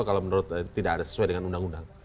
kalau menurut tidak ada sesuai dengan undang undang